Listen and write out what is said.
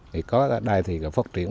thì có ở đây thì phát triển